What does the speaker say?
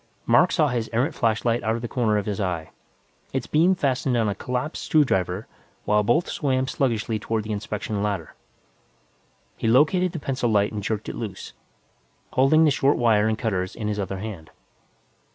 Mac saw his errant flashlight out of the corner of his eye, its beam fastened on a collapsed screw driver while both swam sluggishly toward the inspection ladder. He located the pencil light and jerked it loose, holding the short wire and cutters in his other hand.